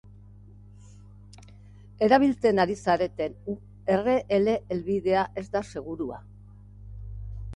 Erabiltzen ari zareten u erre ele helbidea ez da segurua.